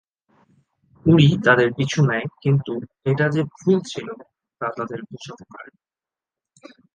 Woody তাদের পিছু নেয় কিন্তু এটা যে ভুল ছিল তা তাদের বুঝাতে পারে না।